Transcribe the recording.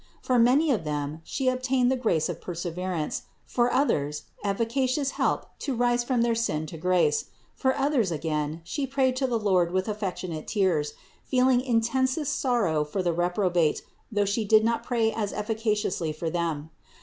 For many of them She obtained the grace of perseverance, for others efficacious help to rise from their sin to grace ; for others again She prayed to the Lord with affectionate tears, feeling intensest sorrow for the reprobate, though She did not pray as efficaciously for them.